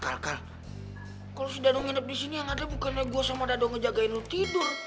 kalau si dadong nginep disini yang ada bukan gue sama dadong ngejagain lu tidur